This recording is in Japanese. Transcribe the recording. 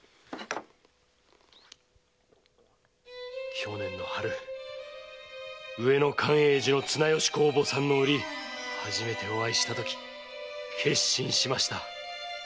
去年の春上野寛永寺の綱吉公墓参の折初めてお会いしたとき決心しました。